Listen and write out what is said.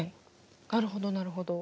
なるほどなるほど。